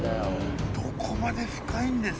どこまで深いんです？